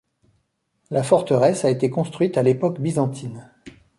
La forteresse a été construite à l'époque byzantine.